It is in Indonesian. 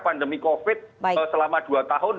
pandemi covid selama dua tahun